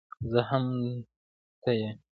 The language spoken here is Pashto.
زه هم ته يې